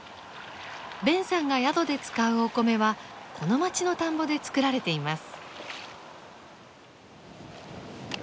ベンさんが宿で使うお米はこの町の田んぼで作られています。